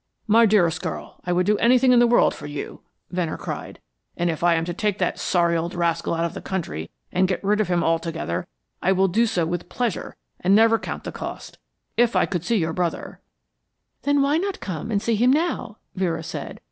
"My dearest girl, I would do anything in the world for you," Venner cried. "And if I am to take that sorry old rascal out of the country and get rid of him altogether, I will do so with pleasure and never count the cost. If I could see your brother " "Then why not come and see him now?" Vera said.